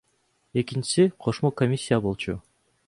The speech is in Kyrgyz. Экинчиси кошмо комиссия болчу.